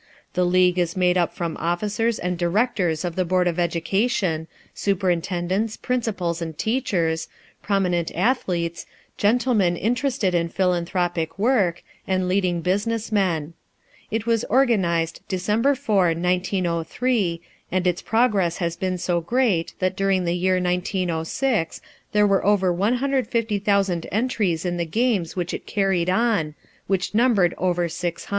The league is made up from officers and directors of the board of education, superintendents, principals and teachers, prominent athletes, gentlemen interested in philanthropic work, and leading business men. It was organized December 4, 1903, and its progress has been so great that during the year 1906 there were over 150,000 entries in the games which it carried on, which numbered over 600.